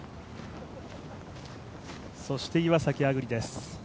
そして岩崎亜久竜です。